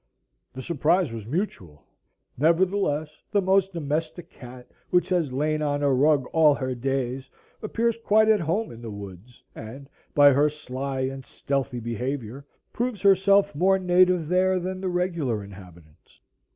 The surprise was mutual. Nevertheless the most domestic cat, which has lain on a rug all her days, appears quite at home in the woods, and, by her sly and stealthy behavior, proves herself more native there than the regular inhabitants.